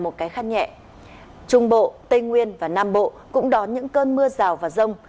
trung bộ tây nguyên và nam bộ cũng đón những cơn mưa rào và rông